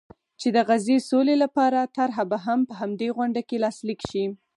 چې د غزې سولې لپاره طرحه به هم په همدې غونډه کې لاسلیک شي.